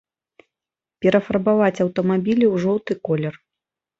Перафарбаваць аўтамабілі ў жоўты колер.